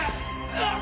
あっ！